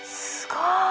すごい。